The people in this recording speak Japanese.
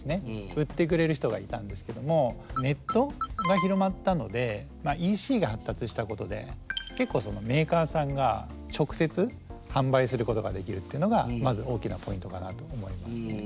売ってくれる人がいたんですけどもネットが広まったのでＥＣが発達したことで結構そのメーカーさんが直接販売することができるっていうのがまず大きなポイントかなと思いますね。